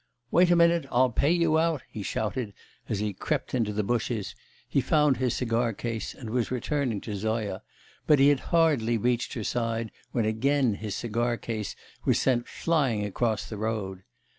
'Wait a minute, I'll pay you out!' he shouted, as he crept into the bushes; he found his cigar case, and was returning to Zoya; but he had hardly reached her side when again his cigar case was sent flying across the road.